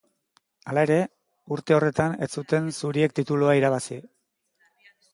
Hala ere, urte horretan ez zuten zuriek titulua irabazi.